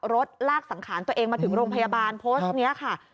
ลากสังขารตัวเองมาถึงโรงพยาบาลโพสต์นี้ค่ะ